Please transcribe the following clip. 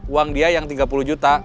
uang dia yang tiga puluh juta